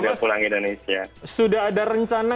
sudah pulang ke indonesia sudah ada rencana